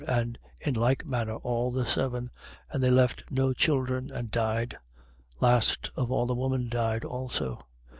And in like manner, all the seven: and they left no children and died. 20:32. Last of all the woman died also.